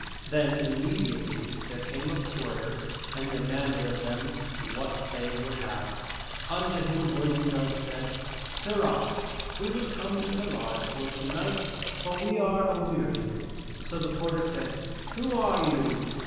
Then immediately there came a porter and de manded of them what they would have. Unto him Boisenard said, " Sirrah, we would come in to lodge for to night, for we are a weary." So the porter said, "Who are you?"